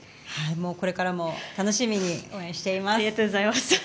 これからも楽しみに応援しています。